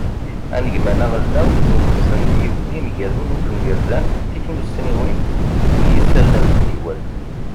anegmam aɣelnaw n umesten d yibeddi mgal unufen yerzan tiknussniwin n yisallen d teywalt